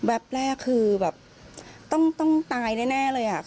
แบบแรกคือต้องตายแน่เลย